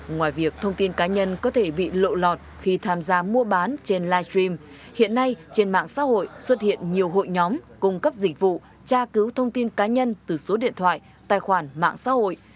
ngoài việc thông tin cá nhân có thể bị lộ lọt khi tham gia mua bán trên live stream hiện nay trên mạng xã hội xuất hiện nhiều hội nhóm cung cấp dịch vụ tra cứu thông tin cá nhân từ số điện thoại tài khoản mạng xã hội